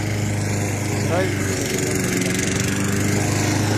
Израиль, Соединенные Штаты Америки.